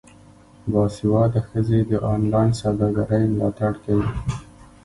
باسواده ښځې د انلاین سوداګرۍ ملاتړ کوي.